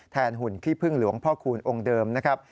หุ่นขี้พึ่งหลวงพ่อคูณองค์เดิมนะครับ